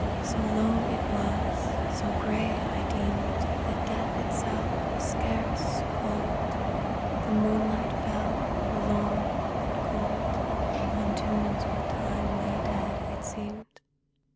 So lone it was, so grey, I deemed That death itself was scarce so old; The moonlight fell forlorn and cold On tombs where Time lay dead, it seemed.